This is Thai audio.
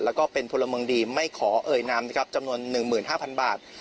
แล้วก็เป็นพลเมืองดีไม่ขอเอ่ยนามนะครับจำนวน๑๕๐๐๐บาท